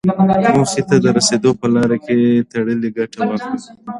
موخې ته د رسېدو په لاره کې ترې ګټه واخلم.